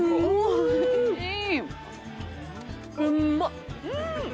おいしい。